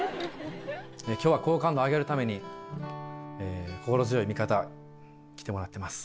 今日は好感度を上げるためにええ心強い味方来てもらってます。